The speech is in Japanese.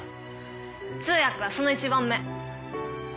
通訳はその１番目。